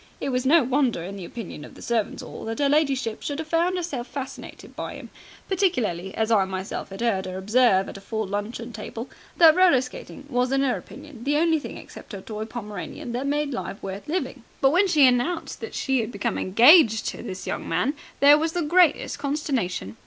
It was no wonder, in the opinion of the Servants' 'All, that 'er ladyship should have found 'erself fascinated by him, particularly as I myself 'ad 'eard her observe at a full luncheon table that roller skating was in her opinion the only thing except her toy Pomeranian that made life worth living. But when she announced that she had become engaged to this young man, there was the greatest consternation.